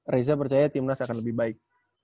reza percaya tim nas akan lebih baik